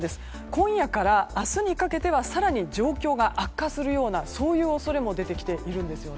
今夜から明日にかけては更に状況が悪化するような恐れも出てきているんです。